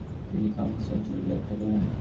তিনি খাম্স অঞ্চলে যাত্রা করেন।